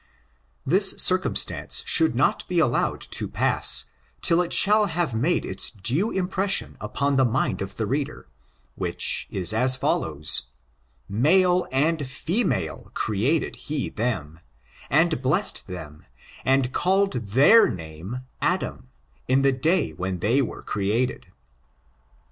This circumstance should not be allowed to pass till it shall have made its due impression upon the mind of the reader, which is as follows : "itfoZe and female created He them ; and blessed them, and call ed their name Adam, in the day when they were created."